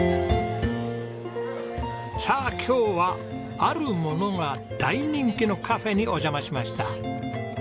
さあ今日はあるものが大人気のカフェにお邪魔しました。